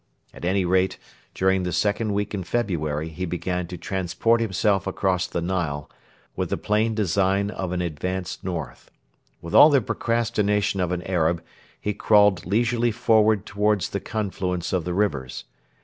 At any rate, during the second week in February he began to transport himself across the Nile, with the plain design of an advance north. With all the procrastination of an Arab he crawled leisurely forward towards the confluence of the rivers.